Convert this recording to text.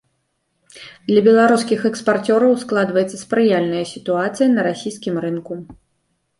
Для беларускіх экспарцёраў складваецца спрыяльная сітуацыя на расійскім рынку.